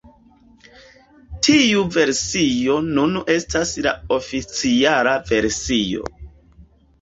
Tiu versio nune estas la oficiala versio.